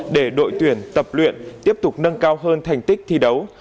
để đội tuyển tập luyện tiếp tục nâng cao hơn thành tích thi đấu